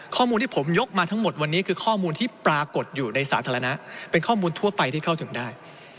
ข้อมูลที่ผมยกมาทั้งหมดวันนี้คือข้อมูลที่ปรากฏอยู่ในสาธารณะเป็นข้อมูลทั่วไปที่เข้าถึงได้